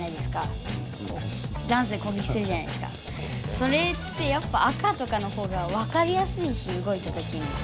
それってやっぱ赤とかのほうがわかりやすいし動いたときに。